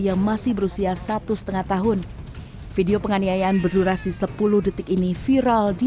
yang masih berusia satu setengah tahun video penganiayaan berdurasi sepuluh detik ini viral di